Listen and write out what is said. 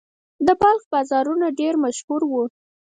د بلخ بازارونه ډیر مشهور وو